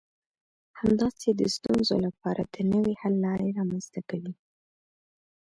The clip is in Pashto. همداسې د ستونزو لپاره د نوي حل لارې رامنځته کوي.